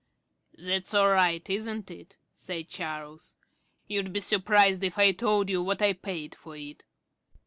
"That's all right, isn't it?" said Charles. "You'd be surprised if I told you what I paid for it."